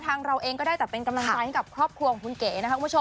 ทางเราเองก็ได้แต่เป็นกำลังกายให้กับครอบครัวของคุณเก๋นะครับ